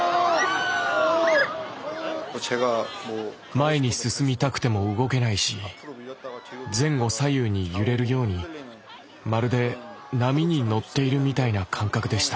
前に進みたくても動けないし前後左右に揺れるようにまるで波に乗っているみたいな感覚でした。